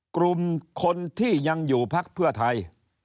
กลุ่มคนที่ยังอยู่พักเพื่อไทย